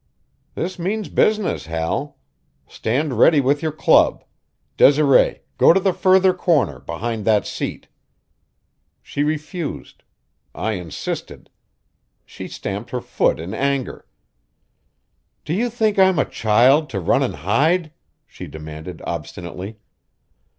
"This means business, Hal. Stand ready with your club. Desiree, go to the further corner, behind that seat." She refused; I insisted; she stamped her foot in anger. "Do you think I'm a child, to run and hide?" she demanded obstinately.